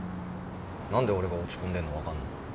何で俺が落ち込んでんの分かんの？